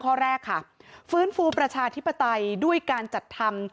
ข้อแรกค่ะฟื้นฟูประชาธิปไตยด้วยการจัดทำ